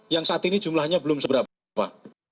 yang saat ini jumlahnya belum seberapa